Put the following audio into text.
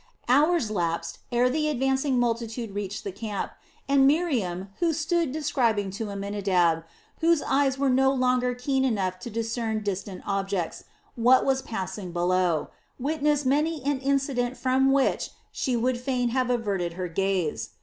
Hours elapsed ere the advancing multitude reached the camp, and Miriam who stood describing to Amminadab, whose eyes were no longer keen enough to discern distant objects, what was passing below, witnessed many an incident from which she would fain have averted her gaze.